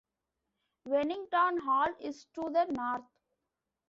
Wennington Hall is to the north.